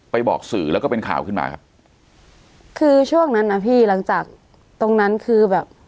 บอกสื่อแล้วก็เป็นข่าวขึ้นมาครับคือช่วงนั้นน่ะพี่หลังจากตรงนั้นคือแบบ